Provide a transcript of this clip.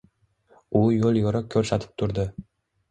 U yo‘l-yo‘riq ko‘rsatib turdi.